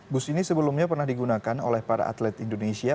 bus ini sebelumnya pernah digunakan oleh para atlet indonesia